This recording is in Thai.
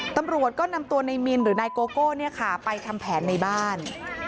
ตำรวจก็นำตัวในมิลหรือนายโกโก้เนี่ยค่ะไปทำแผนในบ้าน